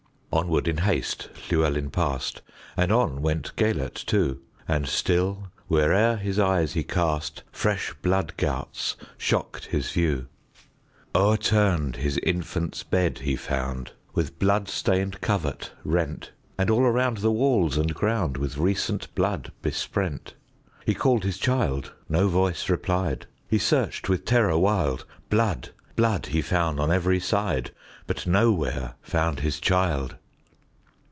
Onward, in haste, Llewelyn passed, And on went Gêlert too; And still, where'er his eyes he cast, Fresh blood gouts shocked his view. O'erturned his infant's bed he found, With blood stained covert rent; And all around the walls and groundWith recent blood besprent. He called his child,—no voice replied,—He searched with terror wild; Blood, blood, he found on every side, But nowhere found his child.